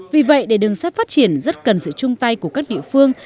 vì vậy để đường sắt phát triển rất cần sự chung tay của các địa phương